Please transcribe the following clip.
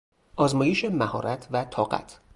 آزمایش مهارت و طاقت